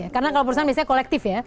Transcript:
karena kalau perusahaan biasanya kolektif ya